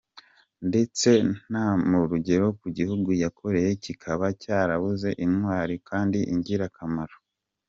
Ndetse nta n’urugero ku gihugu yakoreye kikaba cyarabuze intwari kandi ingirakamaro.